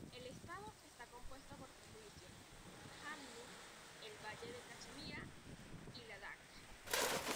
El estado está compuesto por tres divisiones: Jammu, el Valle de Cachemira y Ladakh.